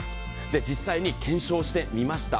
実際に検証してみました。